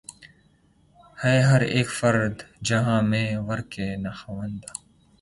ہے ہر اک فرد جہاں میں ورقِ ناخواندہ